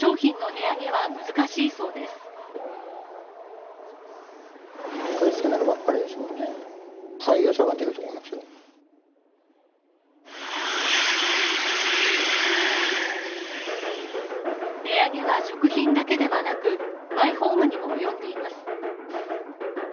値上げは食品だけではなく、マイホームにも及んでいます。